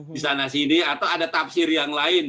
di sana sini atau ada tafsir yang lain